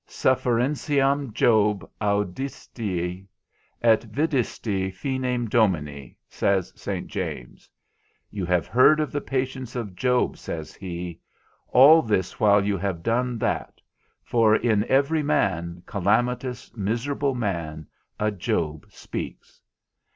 Sufferentiam Job audiisti, et vidisti finem Domini, says Saint James (v. 11), You have heard of the patience of Job, says he: all this while you have done that, for in every man, calamitous, miserable man, a Job speaks.